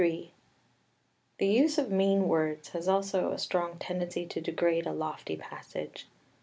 XLIII The use of mean words has also a strong tendency to degrade a lofty passage.